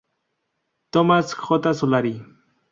Tomás J. Solari.